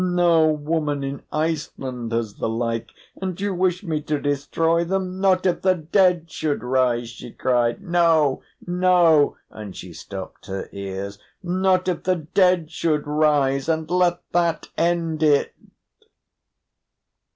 No woman in Iceland has the like. And you wish me to destroy them? Not if the dead should rise!" she cried. "No, no," and she stopped her ears, "not if the dead should rise, and let that end it!"